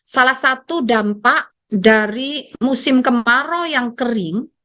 salah satu dampak dari musim kemarau yang kering